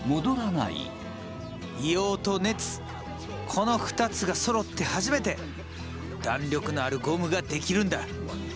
この２つがそろって初めて弾力のあるゴムが出来るんだ。